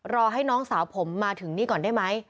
รอให้น้องสาวผมมาถึงนี่ก่อนได้ไหม